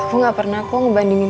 gue gak pernah kok ngebandingin